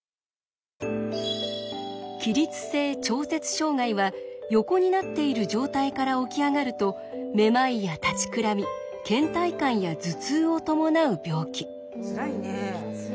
障害は横になっている状態から起き上がるとめまいや立ちくらみ倦怠感や頭痛を伴う病気。